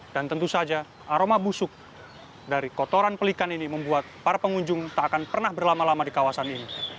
dan tentu saja aroma busuk dari kotoran pelikan ini membuat para pengunjung tak akan pernah berlama lama di kawasan ini